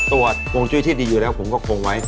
ห่วงจุ้ยที่ดีอยู่แล้วผมก็คงไว้